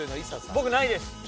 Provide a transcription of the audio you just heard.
僕ないです。